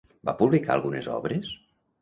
Va publicar algunes obres?